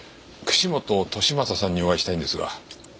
串本敏正さんにお会いしたいんですが。